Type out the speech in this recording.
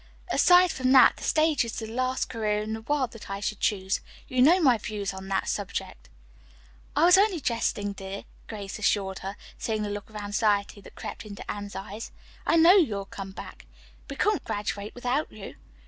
Aside from that, the stage is the last career in the world that I should choose. You know my views on that subject." "I was only jesting, dear," Grace assured her, seeing the look of anxiety that crept into Anne's eyes. "I know you'll come back. We couldn't graduate without you.